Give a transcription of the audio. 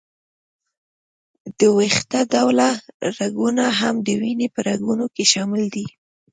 د وېښته ډوله رګونه هم د وینې په رګونو کې شامل دي.